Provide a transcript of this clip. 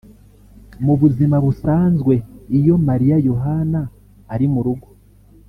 Mu buzima busanzwe iyo Maria Yohana ari mu rugo